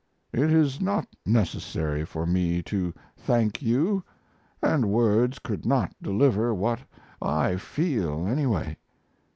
It is not necessary for me to thank you & words could not deliver what I feel, anyway.